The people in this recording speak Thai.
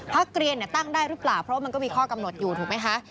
เรียนตั้งได้หรือเปล่าเพราะว่ามันก็มีข้อกำหนดอยู่ถูกไหมคะ